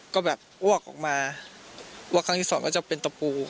ก็แบบอ้วกออกมาว่าครั้งที่สองก็จะเป็นตะปู